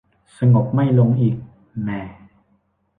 สลบไม่ลงอีก แหม่